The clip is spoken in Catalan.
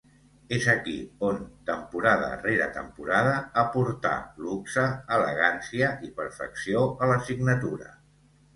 És aquí on, temporada rere temporada aportà luxe, elegància i perfecció a la signatura.